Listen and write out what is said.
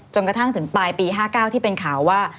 กระทั่งถึงปลายปี๕๙ที่เป็นข่าวว่า